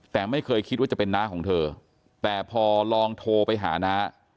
แต่ไม่เคยคิดว่าจะเป็นน้าของเธอแต่พอลองโทรไปหาน้า